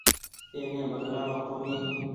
اي ني بدلآڻو ڪونيٚ ۔